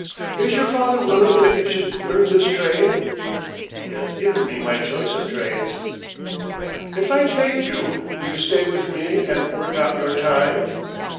"Is your father willing that you should learn this trade?" "He has given me my choice of trades." "If I take you, will you stay with me and work out your time?"